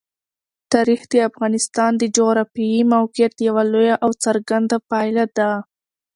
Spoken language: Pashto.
تاریخ د افغانستان د جغرافیایي موقیعت یوه لویه او څرګنده پایله ده.